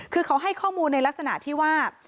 คือเขาให้ข้อมูลในลักษณะที่ว่า